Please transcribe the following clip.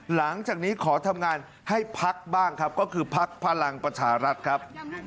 หลังจากนี้ขอทำงานให้พักบ้างครับก็คือพักพลังประชารัฐครับ